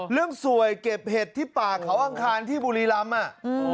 เรื่องสวยเก็บเห็ดที่ป่าเขาอังคารที่บุรีรำอ่ะ